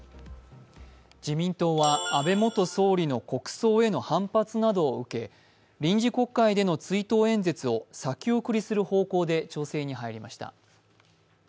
自民党は安倍元総理の国葬への反発などを受け臨時国会での追悼演説を先送りする方向で調整に入りました。